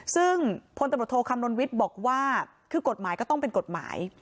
ซึ่งพลตำรวจโทคำนวณวิทย์บอกว่าคือกฎหมายก็ต้องเป็นกฎหมาย